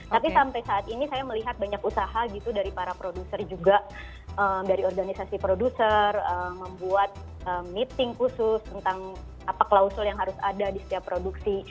tapi sampai saat ini saya melihat banyak usaha gitu dari para produser juga dari organisasi produser membuat meeting khusus tentang apa klausul yang harus ada di setiap produksi